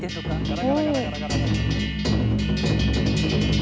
ガラガラガラガラ。